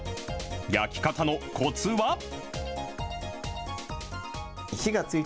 焼き方のコツは。